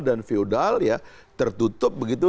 dan feodal ya tertutup begitu